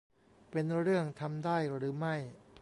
เป็นเรื่องทำได้หรือไม่